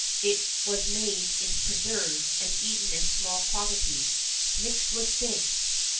[XIV 21] It was made into preserve, and eaten in small quantity, mixed with figs.